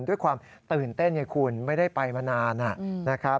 ด้วยความตื่นเต้นไงคุณไม่ได้ไปมานานนะครับ